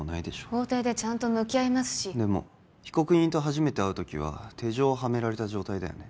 法廷でちゃんと向き合いますしでも被告人と初めて会う時は手錠をはめられた状態だよね